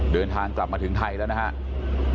เดินทางกลับมาถึงไทยแล้วนะครับ